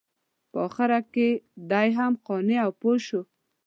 په اخره کې دی هم قانع او پوه شو.